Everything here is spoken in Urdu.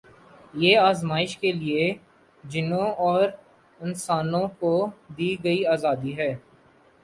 یہ آزمایش کے لیے جنوں اور انسانوں کو دی گئی آزادی ہے